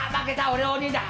俺が鬼だ。